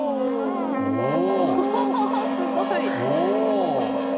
すごい。